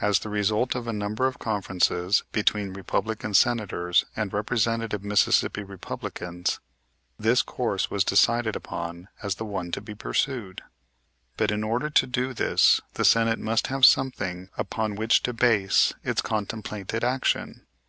As the result of a number of conferences between Republican Senators and representative Mississippi Republicans, this course was decided upon as the one to be pursued. But, in order to do this, the Senate must have something upon which to base its contemplated action.